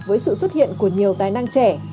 với sự xuất hiện của nhiều tài năng trẻ